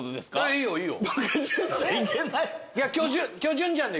いいよいいよ。